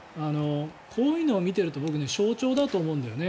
こういうのを見ていると象徴だと思うんだよね。